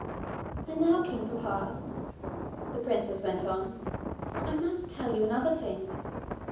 'And now, king papa,' the princess went on, 'I must tell you another thing.